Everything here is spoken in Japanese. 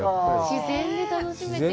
自然で楽しめて。